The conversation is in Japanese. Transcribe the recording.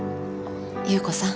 侑子さん。